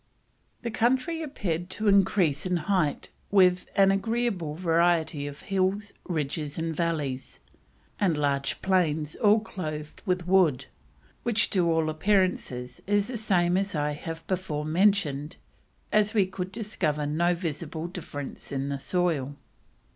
The country appeared to increase in height with: "an agreeable variety of Hills, Ridges, and Valleys, and large plains all clothed with wood, which to all appearance is the same as I have before mentioned as we could discover no visible difference in the soil."